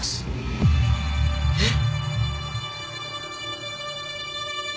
えっ！？